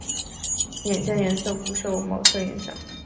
眼镜颜色不受毛色影响。